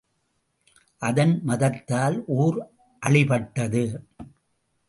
அதன் மதத்தால் ஊர் அழிபட்டது.